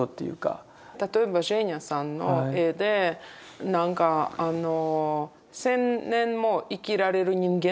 例えばジェーニャさんの絵でなんかあの１０００年も生きられる人間。